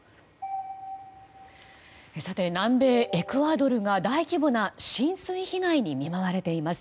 南米エクアドルが大規模な浸水被害に見舞われています。